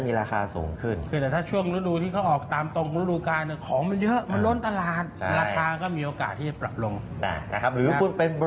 เพราะฉะนั้นคนอาจจะไม่มีของขายถูกไหมก็จะมีราคาสูงขึ้น